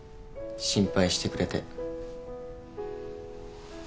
心配してくれて。